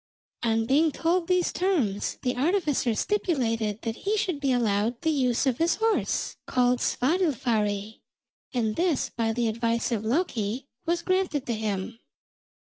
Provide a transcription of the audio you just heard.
On being told these terms, the artificer stipulated that he should be allowed the use of his horse, called Svadilfari, and this, by the advice of Loki, was granted to him.